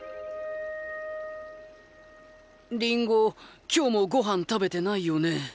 リンゴ今日もごはん食べてないよね。